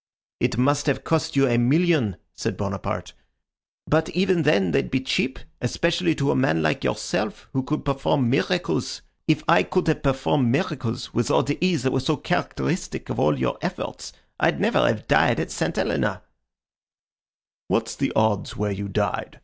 "It must have cost you a million," said Bonaparte. "But even then they'd be cheap, especially to a man like yourself who could perform miracles. If I could have performed miracles with the ease which was so characteristic of all your efforts, I'd never have died at St. Helena." "What's the odds where you died?"